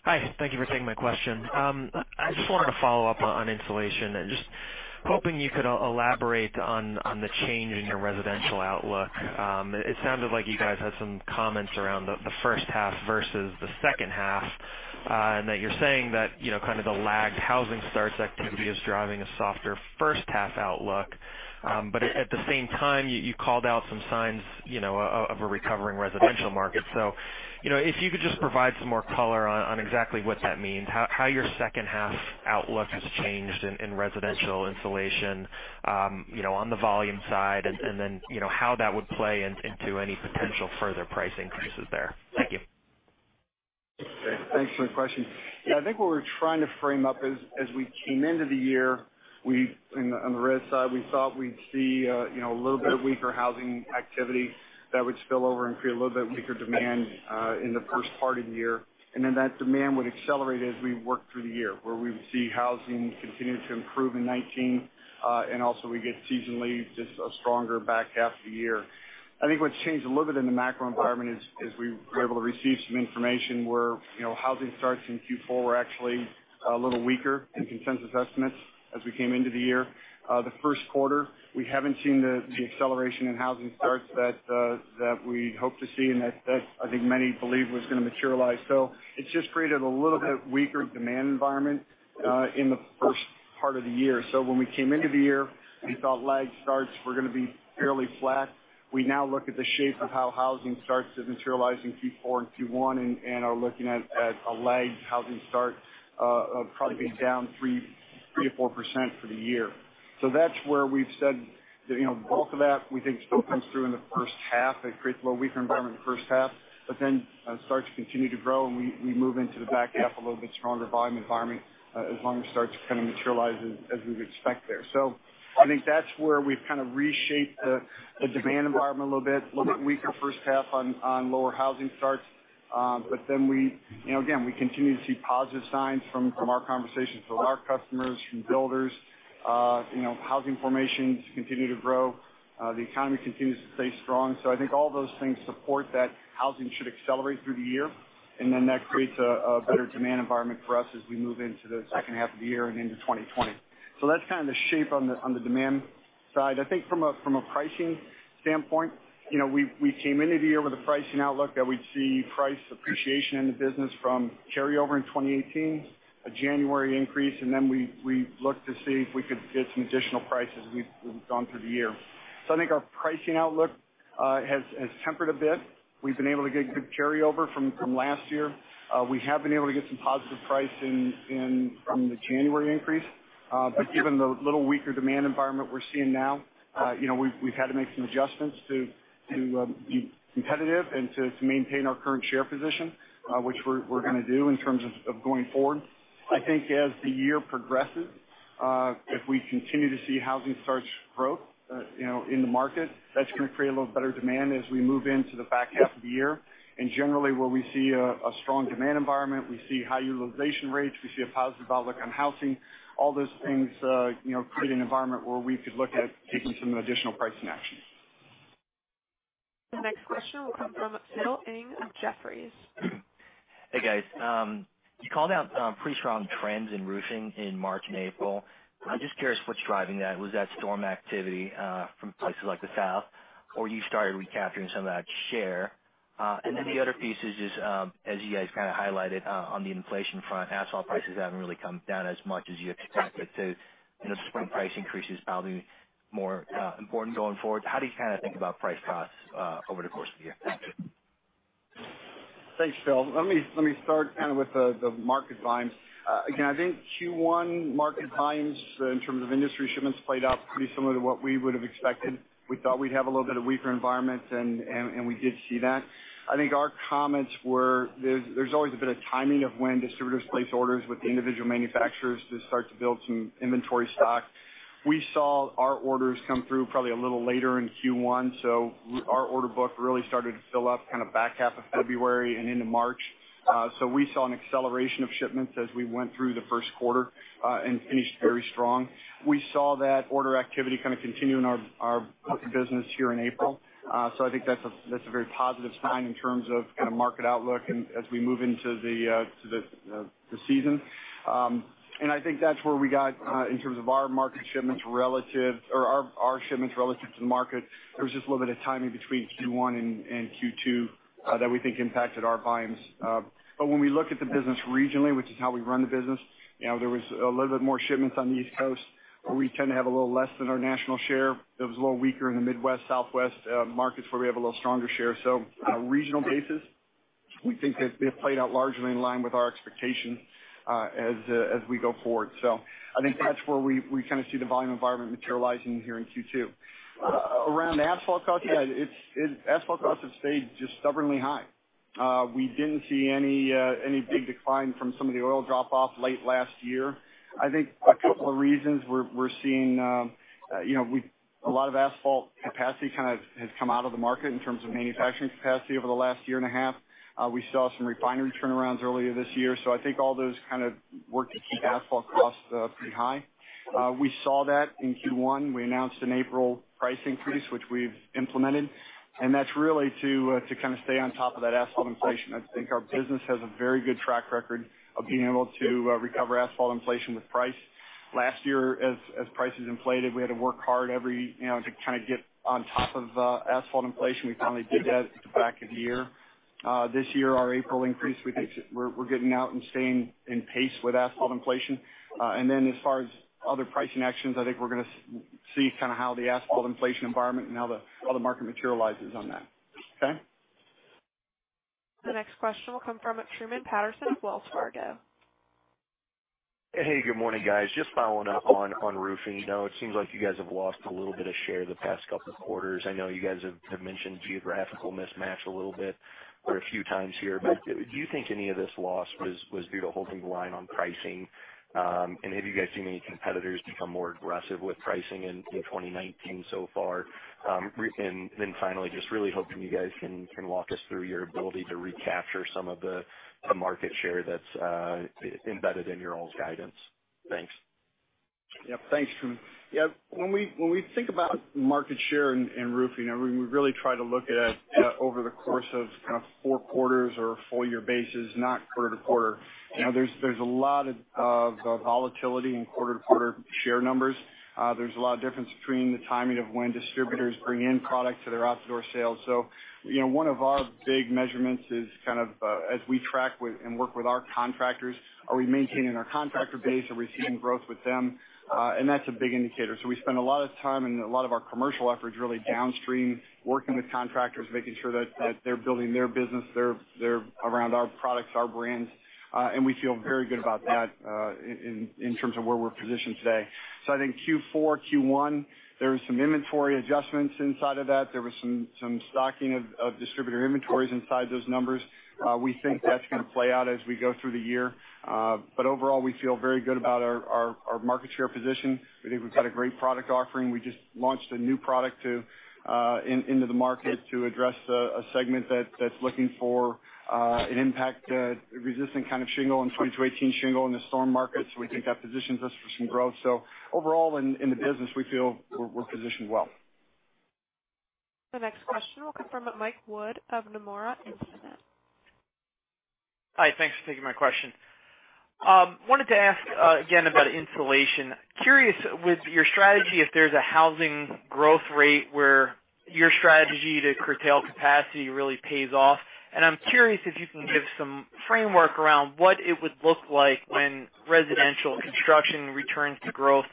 Hi. Thank you for taking my question. I just wanted to follow up on insulation and just hoping you could elaborate on the change in your residential outlook. It sounded like you guys had some comments around the first half versus the second half, and that you're saying that kind of the lagged housing starts activity is driving a softer first half outlook. But at the same time, you called out some signs of a recovering residential market. So if you could just provide some more color on exactly what that means, how your second half outlook has changed in residential insulation on the volume side, and then how that would play into any potential further price increases there? Thank you. Okay. Thanks for the question. Yeah, I think what we're trying to frame up is, as we came into the year, on the res side, we thought we'd see a little bit of weaker housing activity that would spill over and create a little bit weaker demand in the first part of the year. Then that demand would accelerate as we work through the year, where we would see housing continue to improve in 2019, and also we get seasonally just a stronger back half of the year. I think what's changed a little bit in the macro environment is we were able to receive some information where housing starts in Q4 were actually a little weaker in consensus estimates as we came into the year. The first quarter, we haven't seen the acceleration in housing starts that we hoped to see, and that I think many believe was going to materialize. So it's just created a little bit weaker demand environment in the first part of the year. So when we came into the year, we thought lagged starts were going to be fairly flat. We now look at the shape of how housing starts is materializing Q4 and Q1 and are looking at a lagged housing starts of probably being down 3%-4% for the year. So that's where we've said the bulk of that, we think, still comes through in the first half. It creates a little weaker environment in the first half, but then starts to continue to grow, and we move into the back half a little bit stronger volume environment as long as it starts to kind of materialize as we would expect there. So I think that's where we've kind of reshaped the demand environment a little bit, a little bit weaker first half on lower housing starts. But then again, we continue to see positive signs from our conversations with our customers, from builders. Household formations continue to grow. The economy continues to stay strong. So I think all those things support that housing should accelerate through the year, and then that creates a better demand environment for us as we move into the second half of the year and into 2020. So that's kind of the shape on the demand side. I think from a pricing standpoint, we came into the year with a pricing outlook that we'd see price appreciation in the business from carryover in 2018, a January increase, and then we looked to see if we could get some additional prices as we've gone through the year. So I think our pricing outlook has tempered a bit. We've been able to get good carryover from last year. We have been able to get some positive pricing from the January increase. But given a little weaker demand environment we're seeing now, we've had to make some adjustments to be competitive and to maintain our current share position, which we're going to do in terms of going forward. I think as the year progresses, if we continue to see housing starts growth in the market, that's going to create a little better demand as we move into the back half of the year. And generally, where we see a strong demand environment, we see high utilization rates, we see a positive outlook on housing, all those things create an environment where we could look at taking some additional pricing action. The next question will come from Phil Ng of Jefferies. Hey, guys. You called out pretty strong trends in roofing in March and April. I'm just curious what's driving that. Was that storm activity from places like the South, or you started recapturing some of that share? And then the other piece is just, as you guys kind of highlighted on the inflation front, housing prices haven't really come down as much as you expected. So the spring price increase is probably more important going forward. How do you kind of think about price-cost over the course of the year? Thanks, Phil. Let me start kind of with the market volumes. Again, I think Q1 market volumes in terms of industry shipments played out pretty similar to what we would have expected. We thought we'd have a little bit of weaker environment, and we did see that. I think our comments were there's always a bit of timing of when distributors place orders with the individual manufacturers to start to build some inventory stock. We saw our orders come through probably a little later in Q1. So our order book really started to fill up kind of back half of February and into March. So we saw an acceleration of shipments as we went through the first quarter and finished very strong. We saw that order activity kind of continue in our business here in April. So I think that's a very positive sign in terms of kind of market outlook as we move into the season. And I think that's where we got in terms of our market shipments relative or our shipments relative to the market. There was just a little bit of timing between Q1 and Q2 that we think impacted our volumes. But when we look at the business regionally, which is how we run the business, there was a little bit more shipments on the East Coast, where we tend to have a little less than our national share. It was a little weaker in the Midwest, Southwest markets, where we have a little stronger share. So on a regional basis, we think that they've played out largely in line with our expectations as we go forward. So I think that's where we kind of see the volume environment materializing here in Q2. Around asphalt costs, yeah, asphalt costs have stayed just stubbornly high. We didn't see any big decline from some of the oil drop-off late last year. I think a couple of reasons we're seeing a lot of asphalt capacity kind of has come out of the market in terms of manufacturing capacity over the last year and a half. We saw some refinery turnarounds earlier this year. So I think all those kind of work to keep asphalt costs pretty high. We saw that in Q1. We announced an April price increase, which we've implemented. And that's really to kind of stay on top of that asphalt inflation. I think our business has a very good track record of being able to recover asphalt inflation with price. Last year, as prices inflated, we had to work hard to kind of get on top of asphalt inflation. We finally did that at the back of the year. This year, our April increase, we think we're getting out and staying in pace with asphalt inflation. And then as far as other pricing actions, I think we're going to see kind of how the asphalt inflation environment and how the market materializes on that. Okay? The next question will come from Truman Patterson of Wells Fargo. Hey, good morning, guys. Just following up on roofing. It seems like you guys have lost a little bit of share the past couple of quarters. I know you guys have mentioned geographical mismatch a little bit for a few times here. But do you think any of this loss was due to holding the line on pricing? And have you guys seen any competitors become more aggressive with pricing in 2019 so far? And then finally, just really hoping you guys can walk us through your ability to recapture some of the market share that's embedded in your old guidance. Thanks. Yep. Thanks, Truman. Yeah, when we think about market share in roofing, we really try to look at it over the course of kind of four quarters or full-year basis, not quarter to quarter. There's a lot of volatility in quarter-to-quarter share numbers. There's a lot of difference between the timing of when distributors bring in product to their out-the-door sales. So one of our big measurements is kind of, as we track and work with our contractors, are we maintaining our contractor base? Are we seeing growth with them? And that's a big indicator. So we spend a lot of time and a lot of our commercial efforts really downstream, working with contractors, making sure that they're building their business, they're around our products, our brands. And we feel very good about that in terms of where we're positioned today. So I think Q4, Q1, there were some inventory adjustments inside of that. There was some stocking of distributor inventories inside those numbers. We think that's going to play out as we go through the year. But overall, we feel very good about our market share position. We think we've got a great product offering. We just launched a new product into the market to address a segment that's looking for an impact-resistant kind of shingle and 2218 shingle in the storm market. So we think that positions us for some growth. So overall, in the business, we feel we're positioned well. The next question will come from Mike Wood of Nomura Instinet. Hi. Thanks for taking my question. Wanted to ask again about insulation. Curious, with your strategy, if there's a housing growth rate where your strategy to curtail capacity really pays off? I'm curious if you can give some framework around what it would look like when residential construction returns to growth.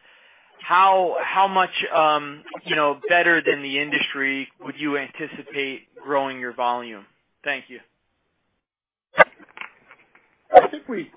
How much better than the industry would you anticipate growing your volume? Thank you. I think we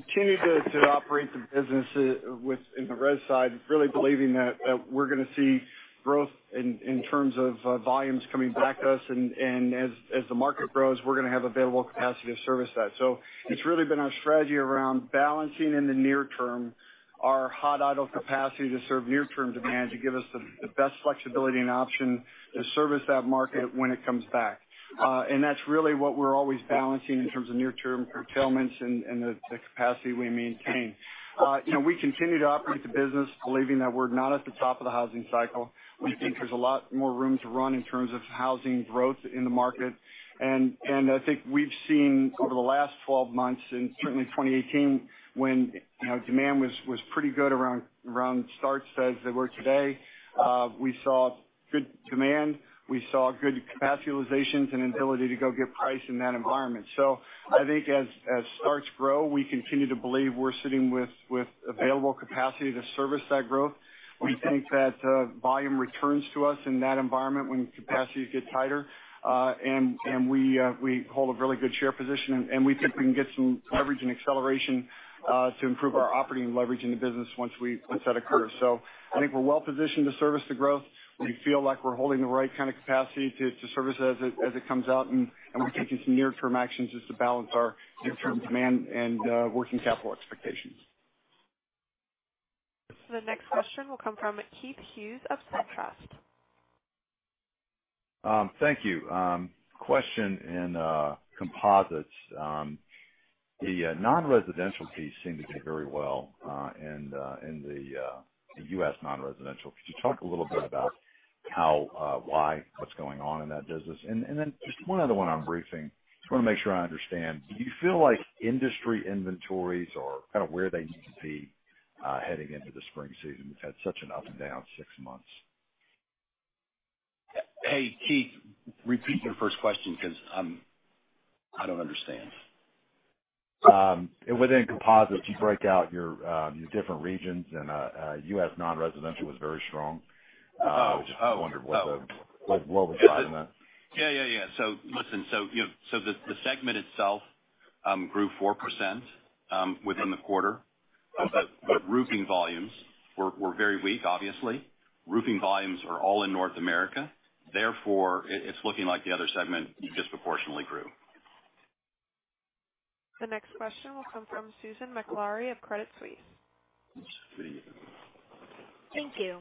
continue to operate the business in the res side, really believing that we're going to see growth in terms of volumes coming back to us. And as the market grows, we're going to have available capacity to service that. So it's really been our strategy around balancing in the near term our hot idle capacity to serve near-term demand to give us the best flexibility and option to service that market when it comes back. And that's really what we're always balancing in terms of near-term curtailments and the capacity we maintain. We continue to operate the business, believing that we're not at the top of the housing cycle. We think there's a lot more room to run in terms of housing growth in the market. And I think we've seen over the last 12 months and certainly 2018, when demand was pretty good around starts as they were today, we saw good demand. We saw good capacity utilizations and ability to go get price in that environment. So I think as starts grow, we continue to believe we're sitting with available capacity to service that growth. We think that volume returns to us in that environment when capacities get tighter, and we hold a really good share position. And we think we can get some leverage and acceleration to improve our operating leverage in the business once that occurs. So I think we're well positioned to service the growth. We feel like we're holding the right kind of capacity to service it as it comes out, and we're taking some near-term actions just to balance our near-term demand and working capital expectations. The next question will come from Keith Hughes of SunTrust. Thank you. Question in composites. The non-residential piece seemed to do very well in the U.S. non-residential. Could you talk a little bit about why, what's going on in that business? And then just one other one on roofing. Just want to make sure I understand. Do you feel like industry inventories are kind of where they need to be heading into the spring season? We've had such an up and down six months. Hey, Keith, repeat your first question because I don't understand. Within composites, you break out your different regions, and U.S. non-residential was very strong. I just wondered what was driving that. Yeah, yeah, yeah. So listen, so the segment itself grew 4% within the quarter, but roofing volumes were very weak, obviously. Roofing volumes are all in North America. Therefore, it's looking like the other segment disproportionately grew. The next question will come from Susan Maklari of Credit Suisse. Thank you.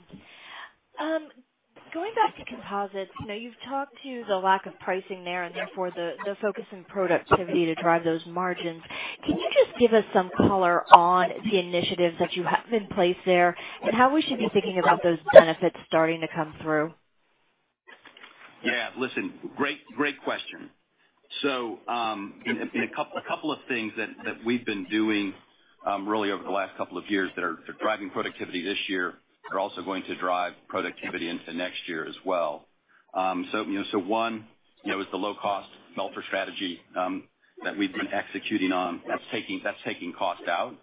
Going back to composites, you've talked to the lack of pricing there and therefore the focus on productivity to drive those margins. Can you just give us some color on the initiatives that you have in place there and how we should be thinking about those benefits starting to come through? Yeah. Listen, great question. So a couple of things that we've been doing really over the last couple of years that are driving productivity this year are also going to drive productivity into next year as well. One is the low-cost melter strategy that we've been executing on that's taking cost out.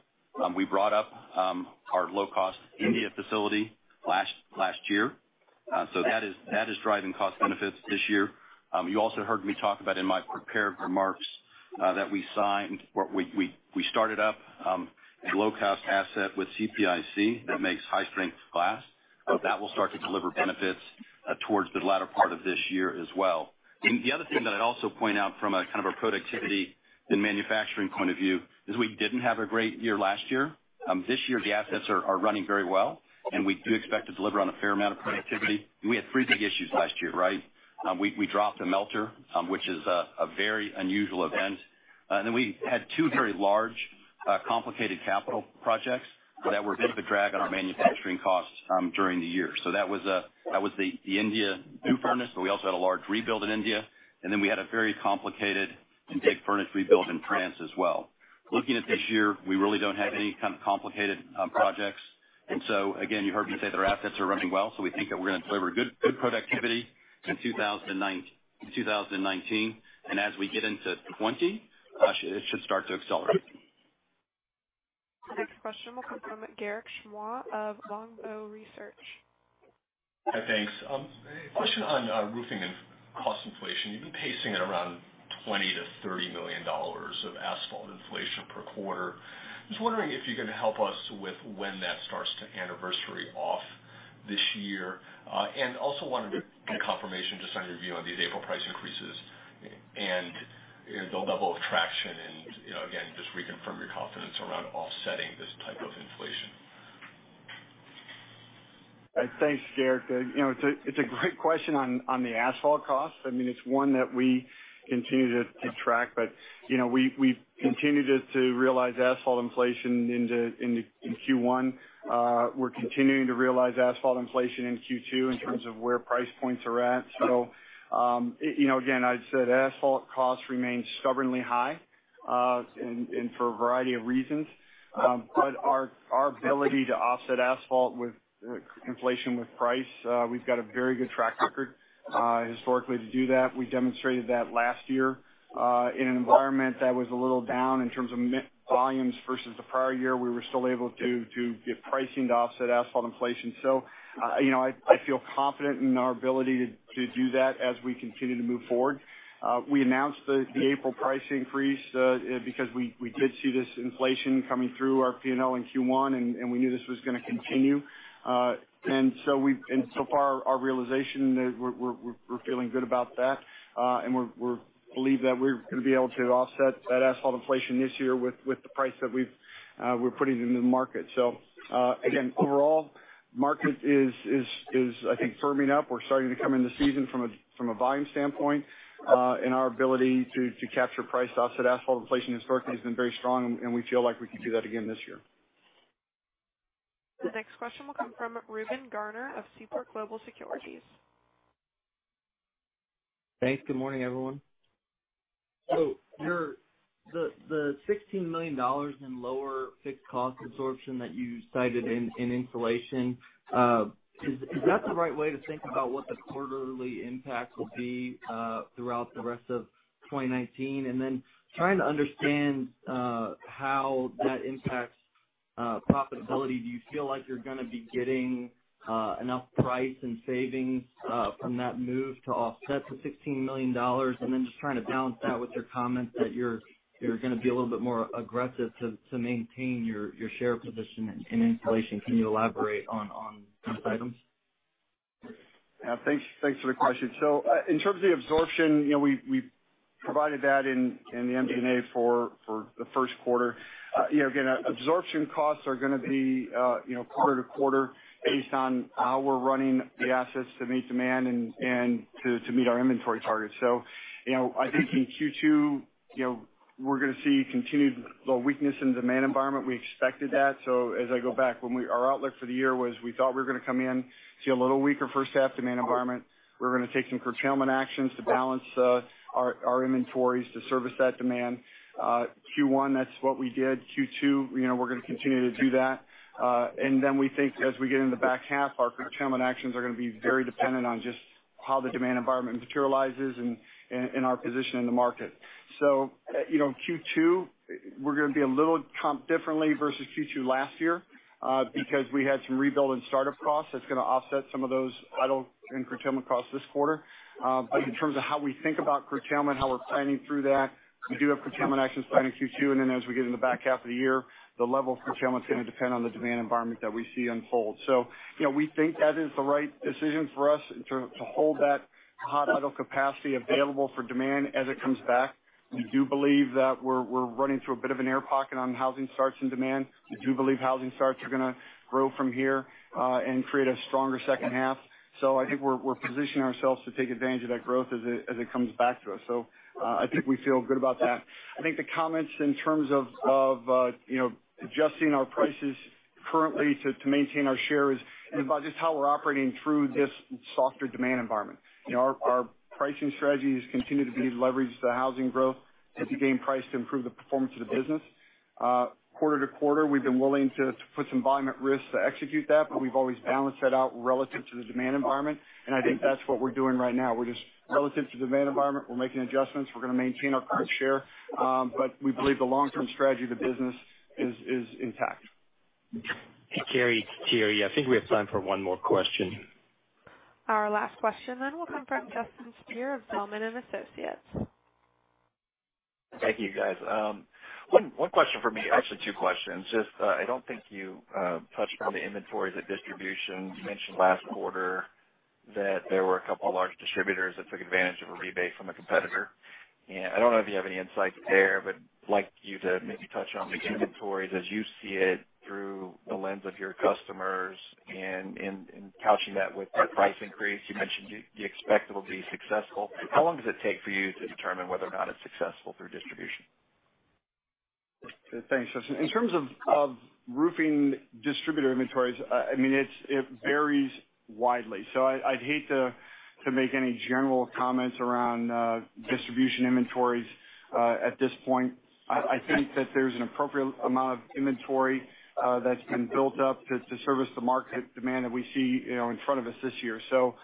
We brought up our low-cost India facility last year. So that is driving cost benefits this year. You also heard me talk about in my prepared remarks that we signed what we started up a low-cost asset with CPIC that makes high-strength glass. But that will start to deliver benefits towards the latter part of this year as well. The other thing that I'd also point out from a kind of a productivity and manufacturing point of view is we didn't have a great year last year. This year, the assets are running very well, and we do expect to deliver on a fair amount of productivity. We had three big issues last year, right? We dropped a melter, which is a very unusual event. We had two very large, complicated capital projects that were a bit of a drag on our manufacturing costs during the year. That was the India new furnace, but we also had a large rebuild in India. We had a very complicated and big furnace rebuild in France as well. Looking at this year, we really don't have any kind of complicated projects. Again, you heard me say that our assets are running well. We think that we're going to deliver good productivity in 2019. As we get into 2020, it should start to accelerate. The next question will come from Garik Shmois of Longbow Research. Hi, thanks. Question on roofing and cost inflation. You've been pacing at around $20-$30 million of asphalt inflation per quarter. Just wondering if you can help us with when that starts to anniversary off this year, and also wanted to get confirmation just on your view on these April price increases and the level of traction and, again, just reconfirm your confidence around offsetting this type of inflation. Thanks, Garik. It's a great question on the asphalt costs. I mean, it's one that we continue to track, but we've continued to realize asphalt inflation in Q1. We're continuing to realize asphalt inflation in Q2 in terms of where price points are at. So, again, I'd say the asphalt costs remain stubbornly high and for a variety of reasons. But our ability to offset asphalt inflation with price, we've got a very good track record historically to do that. We demonstrated that last year in an environment that was a little down in terms of volumes versus the prior year. We were still able to get pricing to offset asphalt inflation. So I feel confident in our ability to do that as we continue to move forward. We announced the April price increase because we did see this inflation coming through our P&L in Q1, and we knew this was going to continue. And so far, our realization that we're feeling good about that. And we believe that we're going to be able to offset that asphalt inflation this year with the price that we're putting into the market. So, again, overall, the market is, I think, firming up. We're starting to come into season from a volume standpoint. And our ability to capture price offset asphalt inflation historically has been very strong, and we feel like we can do that again this year. The next question will come from Reuben Garner of Seaport Global Securities. Thanks. Good morning, everyone. So the $16 million in lower fixed cost absorption that you cited in insulation, is that the right way to think about what the quarterly impact will be throughout the rest of 2019? And then trying to understand how that impacts profitability. Do you feel like you're going to be getting enough price and savings from that move to offset the $16 million? And then just trying to balance that with your comments that you're going to be a little bit more aggressive to maintain your share position in insulation. Can you elaborate on those items? Yeah. Thanks for the question. So in terms of the absorption, we provided that in the MD&A for the first quarter. Again, absorption costs are going to be quarter to quarter based on how we're running the assets to meet demand and to meet our inventory targets. I think in Q2, we're going to see continued low weakness in the demand environment. We expected that. As I go back, our outlook for the year was we thought we were going to come in, see a little weaker first half demand environment. We're going to take some curtailment actions to balance our inventories to service that demand. Q1, that's what we did. Q2, we're going to continue to do that. Then we think as we get into the back half, our curtailment actions are going to be very dependent on just how the demand environment materializes and our position in the market. Q2, we're going to be a little differently versus Q2 last year because we had some rebuild and startup costs that's going to offset some of those idle and curtailment costs this quarter. But in terms of how we think about curtailment, how we're planning through that, we do have curtailment actions planned in Q2. And then as we get into the back half of the year, the level of curtailment is going to depend on the demand environment that we see unfold. So we think that is the right decision for us to hold that hot idle capacity available for demand as it comes back. We do believe that we're running through a bit of an air pocket on housing starts and demand. We do believe housing starts are going to grow from here and create a stronger second half. So I think we're positioning ourselves to take advantage of that growth as it comes back to us. So I think we feel good about that. I think the comments in terms of adjusting our prices currently to maintain our share is about just how we're operating through this softer demand environment. Our pricing strategies continue to be leveraged to housing growth and to gain price to improve the performance of the business. Quarter to quarter, we've been willing to put some volume at risk to execute that, but we've always balanced that out relative to the demand environment. And I think that's what we're doing right now. We're just relative to the demand environment. We're making adjustments. We're going to maintain our current share. But we believe the long-term strategy of the business is intact. Gary, it's Thierry. I think we have time for one more question. Our last question then will come from Justin Speer of Zelman & Associates. Thank you, guys. One question for me, actually two questions. Just, I don't think you touched on the inventories at distribution. You mentioned last quarter that there were a couple of large distributors that took advantage of a rebate from a competitor. And I don't know if you have any insights there, but I'd like you to maybe touch on the inventories as you see it through the lens of your customers and couching that with the price increase. You mentioned you expect it will be successful. How long does it take for you to determine whether or not it's successful through distribution? Thanks, Justin. In terms of roofing distributor inventories, I mean, it varies widely. So I'd hate to make any general comments around distribution inventories at this point. I think that there's an appropriate amount of inventory that's been built up to service the market demand that we see in front of us this year. So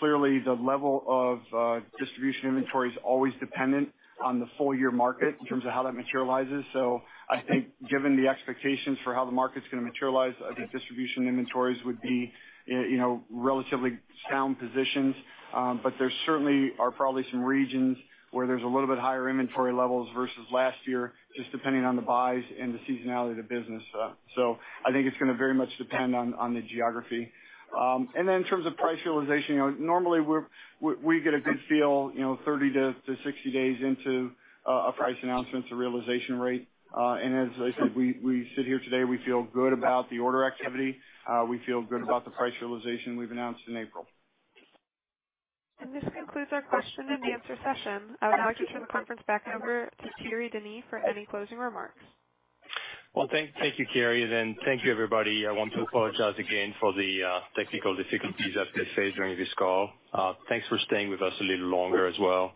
clearly, the level of distribution inventory is always dependent on the full-year market in terms of how that materializes. So I think given the expectations for how the market's going to materialize, I think distribution inventories would be relatively sound positions. But there certainly are probably some regions where there's a little bit higher inventory levels versus last year, just depending on the buys and the seasonality of the business. So I think it's going to very much depend on the geography. And then in terms of price realization, normally we get a good feel 30-60 days into a price announcement, the realization rate. And as I said, we sit here today, we feel good about the order activity. We feel good about the price realization we've announced in April. And this concludes our question and answer session. I would now like to turn the conference back over to Thierry Denis for any closing remarks. Well, thank you, Gary. And then thank you, everybody. I want to apologize again for the technical difficulties that they faced during this call. Thanks for staying with us a little longer as well.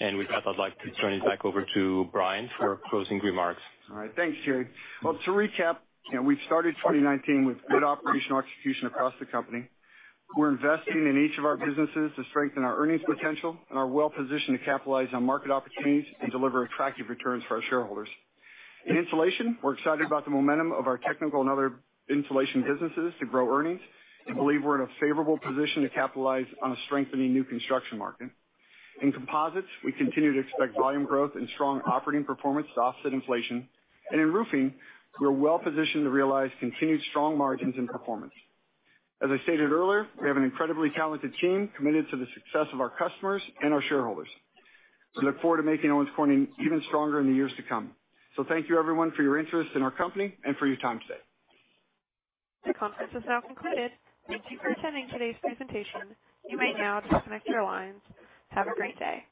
And with that, I'd like to turn it back over to Brian for closing remarks. All right. Thanks, Thierry. Well, to recap, we've started 2019 with good operational execution across the company. We're investing in each of our businesses to strengthen our earnings potential and are well positioned to capitalize on market opportunities and deliver attractive returns for our shareholders. In insulation, we're excited about the momentum of our technical and other insulation businesses to grow earnings. We believe we're in a favorable position to capitalize on a strengthening new construction market. In composites, we continue to expect volume growth and strong operating performance to offset inflation. And in roofing, we're well positioned to realize continued strong margins and performance. As I stated earlier, we have an incredibly talented team committed to the success of our customers and our shareholders. We look forward to making Owens Corning even stronger in the years to come. So thank you, everyone, for your interest in our company and for your time today. The conference is now concluded. Thank you for attending today's presentation. You may now disconnect your lines. Have a great day.